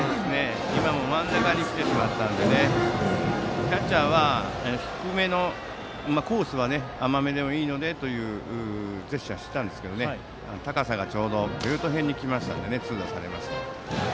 今のも真ん中に来てしまったのでキャッチャーはコースは甘めでもいいから低めというジェスチャーをしていたんですが高さがベルト付近だったので痛打されました。